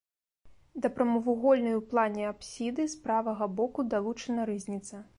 Да прамавугольнай у плане апсіды з правага боку далучана рызніца.